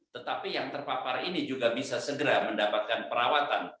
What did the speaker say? tetapi yang terpapar ini juga bisa segera mendapatkan perawatan